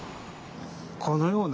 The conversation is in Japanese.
このような。